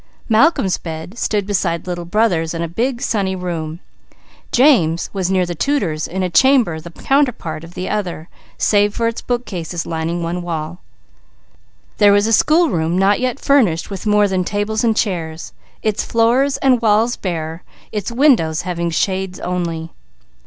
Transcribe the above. Malcolm's bed stood beside Little Brother's in a big sunny room; James' was near the tutor's in a chamber the counterpart of the other, save for its bookcases lining one wall. There was a schoolroom not yet furnished with more than tables and chairs, its floors and walls bare, its windows having shades only.